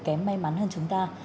kém may mắn hơn chúng ta